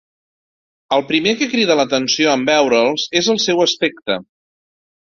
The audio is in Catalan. El primer que crida l’atenció en veure’ls és el seu aspecte.